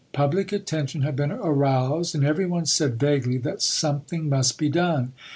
Public attention had been aroused, and every one said vaguely that something must be done.